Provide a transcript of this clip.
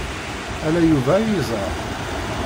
Ala Yuba ay yeẓran.